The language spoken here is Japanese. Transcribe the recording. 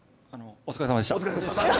お疲れさまでした。